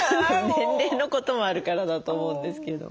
年齢のこともあるからだと思うんですけど。